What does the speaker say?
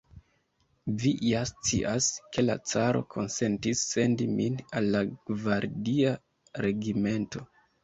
Vi ja scias, ke la caro konsentis sendi min al la gvardia regimento.